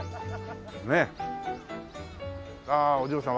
ああお嬢さん。